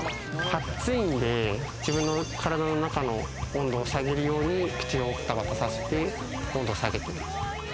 暑いので、自分の体の中の温度を下げるように口をパタパタさせて温度を下げている。